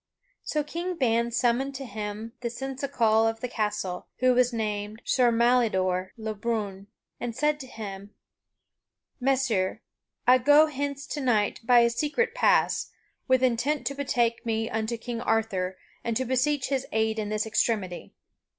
So King Ban summoned to him the seneschal of the castle, who was named Sir Malydor le Brun, and said to him: "Messire, I go hence to night by a secret pass, with intent to betake me unto King Arthur, and to beseech his aid in this extremity.